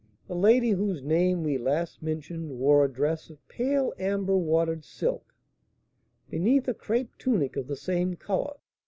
The lady whose name we last mentioned wore a dress of pale amber watered silk, beneath a crape tunic of the same colour.